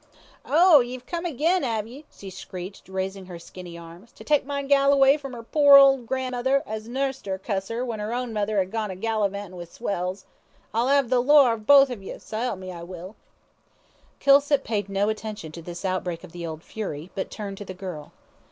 "Oh, ye've come again, 'ave ye," she screeched, raising her skinny arms, "to take my gal away from 'er pore old gran'mother, as nussed 'er, cuss her, when 'er own mother had gone a gallivantin' with swells. I'll 'ave the lawr of ye both, s'elp me, I will." Kilsip paid no attention to this outbreak of the old fury, but turned to the girl.